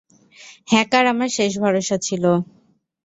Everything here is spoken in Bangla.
হ্যাকার আমার শেষ ভরসা ছিল।